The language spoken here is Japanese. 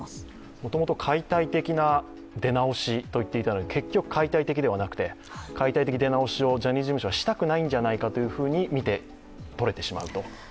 もともと解体的な出直しと言っていたのに、結局解体的ではなくて、解体的出直しをジャニーズ事務所はしたくないように見てとれてしまうと。